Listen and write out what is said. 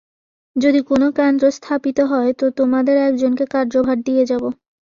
যদি কোন কেন্দ্র স্থাপিত হয় তো তোমাদের একজনকে কার্যভার দিয়ে যাব।